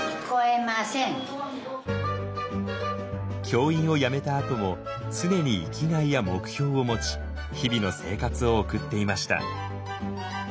教員を辞めたあとも常に生きがいや目標を持ち日々の生活を送っていました。